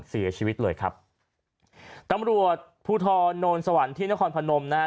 เสียชีวิตเลยครับตำรวจภูทรโนนสวรรค์ที่นครพนมนะฮะ